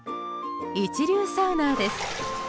一流サウナーです。